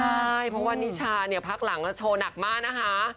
ใช่เพราะว่านิชาเนี่ยพักหลังโชว์หนักมากนะคะ